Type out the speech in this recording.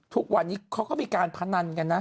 ทุกวันนี้เขาก็มีการพนันกันนะ